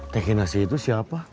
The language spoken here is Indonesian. tekinasi itu siapa